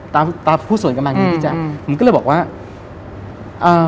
ตาตาพูดโสนกันมานี้อืมอืมผมก็เลยบอกว่าอ่า